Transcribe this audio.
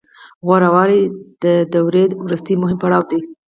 غوره والی د دورې وروستی مهم پړاو دی